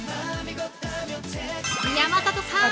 山里さん